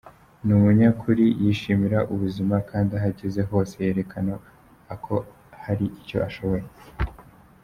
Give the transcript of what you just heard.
Ni umunyakuri ,yishimira ubuzima kandi aho ageze hose yerekana ako hari icyo ashoboye.